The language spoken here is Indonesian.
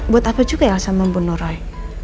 buat apa juga elsa membunuh roy